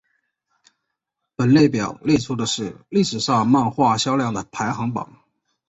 本列表列出的是历史上漫画销量的排行。